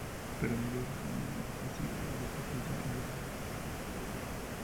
Para muchos aminoácidos, los grupos funcionales auxiliares están protegidos.